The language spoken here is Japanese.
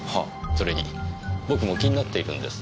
それに僕も気になっているんです。